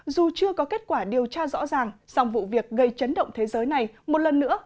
dù chưa có kết quả điều tra rõ ràng song vụ việc gây chấn động thế giới này một lần nữa